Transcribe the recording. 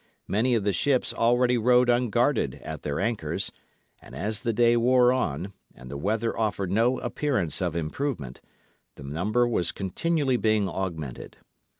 Many of the ships already rode unguarded at their anchors; and as the day wore on, and the weather offered no appearance of improvement, the number was continually being augmented.